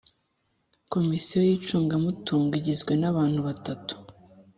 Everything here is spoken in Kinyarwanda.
Komisiyo y’icungamutungo igizwe n’abantu batatu